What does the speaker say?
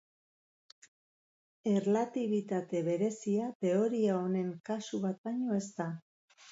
Erlatibitate berezia teoria honen kasu bat baino ez da.